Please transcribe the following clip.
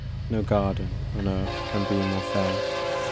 No garden on earth can be more fair